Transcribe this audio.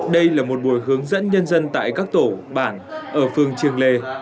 đây là một buổi hướng dẫn nhân dân tại các tổ bản ở phường triềng lề